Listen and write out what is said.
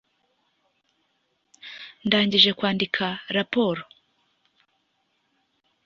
Ndangije kwandika raporo